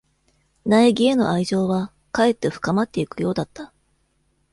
苗木への愛情は、かえって深まっていくようだった。